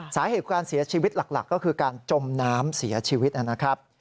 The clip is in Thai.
สาเหตุการเสียชีวิตหลักก็คือการจมน้ำเสียชีวิตนะครับ